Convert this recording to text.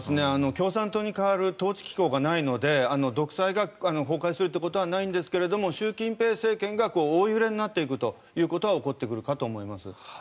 共産党に代わる統治機構がないので独裁が崩壊することはないんですが習近平政権が大揺れになっていくことは起こってくるかと思います。